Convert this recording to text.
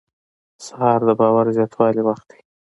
سهار د باور زیاتولو وخت دی.